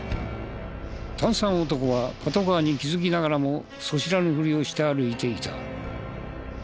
炭酸男はパトカーに気づきながらも素知らぬふりをして歩いていた。